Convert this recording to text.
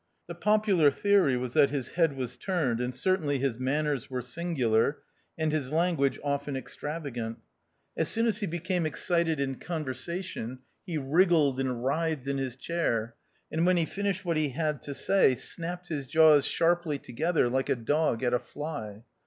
The popular theory was that his head was turned, and certainly his manners were singular, and his language often extrava gant. As soon as he became excited in conversation he wriggled and writhed in his chair, and when he finished what he had to say, snapped his jaws sharply together like a dog at a fly.